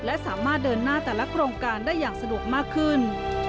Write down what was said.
และสามารถเดินหน้าแต่ละโครงการได้อย่างสะดวกมากขึ้น